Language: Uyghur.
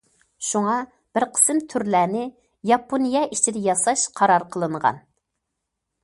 شۇڭا بىر قىسىم تۈرلەرنى ياپونىيە ئىچىدە ياساش قارار قىلىنغان.